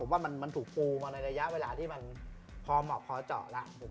ว่ามันถูกปูมาในระยะเวลาที่มันพอเหมาะพอเจาะแล้ว